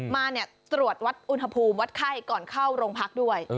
มาตรวจวัดอุณหภูมิวัดไข้ก่อนเข้าโรงพักด้วย